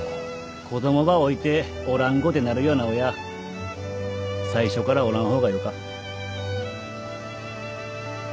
子供ば置いておらんごてなるような親最初からおらん方がよか。